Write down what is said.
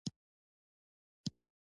ټکنالوجي د نړۍ اقتصاد بدل کړی دی.